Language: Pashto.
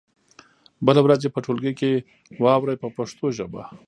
بله ورځ یې په ټولګي کې واورئ په پښتو ژبه.